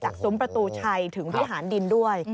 ซุ้มประตูชัยถึงวิหารดินด้วย